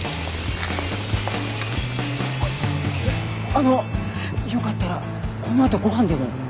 あのよかったらこのあとごはんでも。